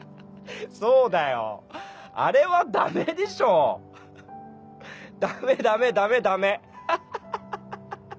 そうだよあれはダメでしょ！ダメダメダメダメ。ハハハ！